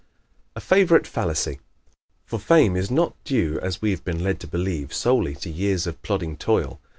A Favorite Fallacy ¶ For fame is not due, as we have been led to believe, solely to years of plodding toil.